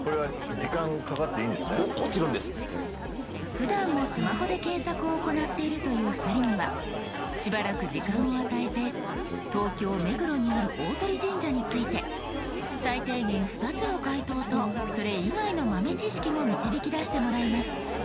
ふだんもスマホで検索を行っているという２人にはしばらく時間を与えて東京目黒にある大鳥神社について最低限２つの回答とそれ以外の豆知識も導き出してもらいます。